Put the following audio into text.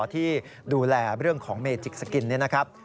ที่ดูแลเรื่องของเมจิกสกินนี่นะครับ